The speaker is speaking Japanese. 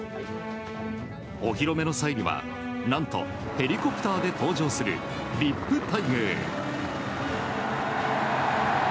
お披露目の際には何とヘリコプターで登場するＶＩＰ待遇。